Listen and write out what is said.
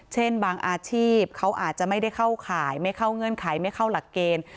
เช่นบางอาชีพเขาอาจจะไม่ได้เข้าข่ายไม่เข้าเงื่อนไขไม่เข้าหลักเกณฑ์